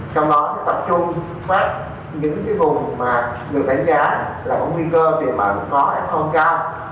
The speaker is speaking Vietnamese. trong đó sẽ tập trung phát những vùng mà được đánh giá là có nguy cơ về bệnh có hay không cao